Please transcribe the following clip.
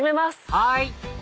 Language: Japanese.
はい！